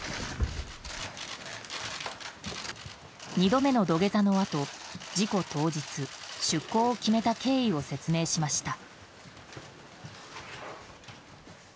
２度目の土下座のあと事故当日、出航を決めた経緯を説明しました。